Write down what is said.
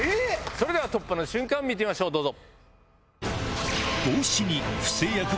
それでは突破の瞬間見てみましょうどうぞ。